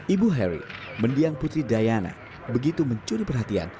ibu harry mendiang putri diana begitu mencuri perhatian